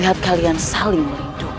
lihat kalian saling melindungi